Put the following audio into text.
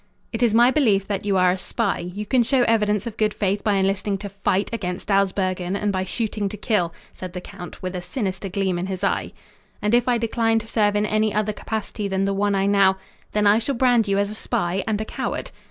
"It is my belief that you are a spy. You can show evidence of good faith by enlisting to fight against Dawsbergen and by shooting to kill," said the count, with a sinister gleam in his eye. "And if I decline to serve in any other capacity than the one I now " "Then I shall brand you as a spy and a coward."